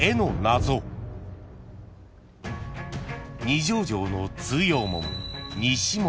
［二条城の通用門］